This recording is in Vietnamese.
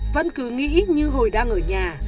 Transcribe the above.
vẫn cứ nghĩ như hồi đang ở nhà